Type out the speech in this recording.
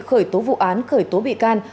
khởi tố vụ án khởi tố bị can